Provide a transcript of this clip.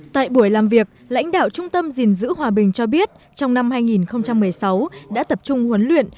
tại buổi làm việc lãnh đạo trung tâm gìn giữ hòa bình cho biết trong năm hai nghìn một mươi sáu đã tập trung huấn luyện